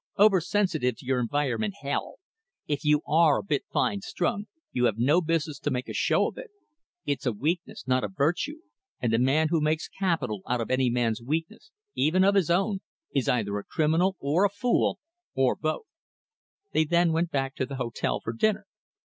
Over sensitive to your environment, hell! If you are a bit fine strung, you have no business to make a show of it. It's a weakness, not a virtue. And the man who makes capital out of any man's weakness, even of his own, is either a criminal or a fool or both." Then they went back to the hotel for dinner.